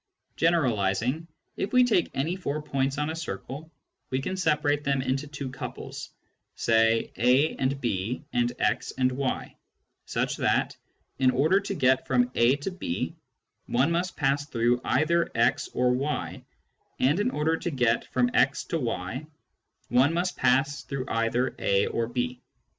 Generalising, if we take any four points on a circle, we can separate them into two couples, say a and b and x and y, such that, in order to get from a to b one must pass through either x or y, and in order to get from x to y one must pass through either a or b.